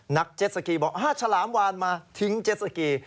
นักเจ็ดสกีบอกฉลามวานมาทิ้งเจ็ดสกี